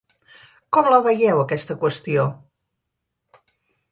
Com la veieu, aquesta qüestió?